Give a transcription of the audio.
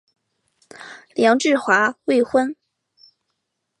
梁质华未婚。